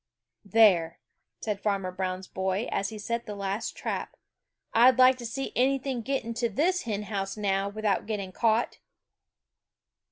"There," said Farmer Brown's boy, as he set the last trap, "I'd like to see anything get into this hen house now without getting caught!"